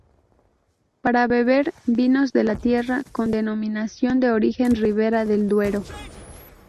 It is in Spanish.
Para beber, vinos de la tierra, con Denominación de Origen Ribera del Duero.